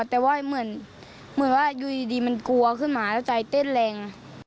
แต่ว่าเหมือนว่าอยู่ดีมันกลัวขึ้นมาแล้วใจเต้นแรง